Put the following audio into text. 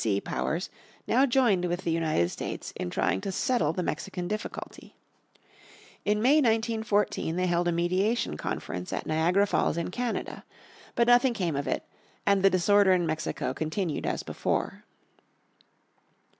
B. C. Powers, now joined with the United States in trying to settle the Mexican difficulty. In May, 1914, they held a Mediation Conference at Niagara Falls in Canada. But nothing came of it, and the disorder in Mexico continued as before.